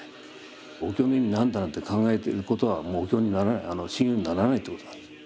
お経の意味何だ？なんて考えてることはもうお経にならない修行にならないってことなんです。